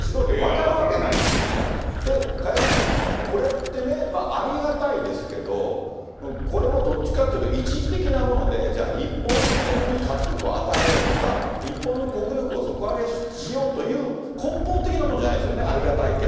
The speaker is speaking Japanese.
やっぱり、これってね、ありがたいですけど、これもどっちかっていうと、一時的なもので、じゃあ、日本に活力を与えようとか、日本の国力を底上げしようという根本的なものじゃないですよね、